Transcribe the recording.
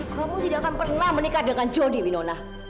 kamu tidak akan pernah menikah dengan jody winona